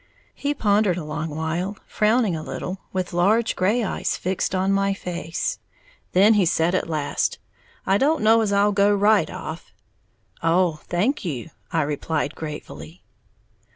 He pondered a long while, frowning a little, with large gray eyes fixed on my face. Then he said at last, "I don't know as I'll go right off." "Oh, thank you," I replied, gratefully.